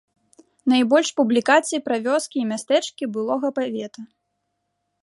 Найбольш публікацый пра вёскі і мястэчкі былога павета.